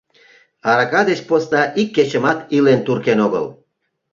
Арака деч посна ик кечымат илен туркен огыл.